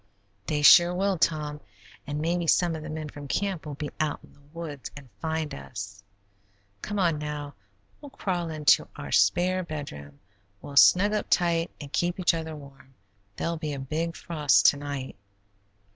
"They sure will, Tom, and maybe some of the men from camp will be out in the woods and find us. Come on now. We'll crawl into our spare bedroom; we'll snug up tight and keep each other warm. There'll be a big frost to night."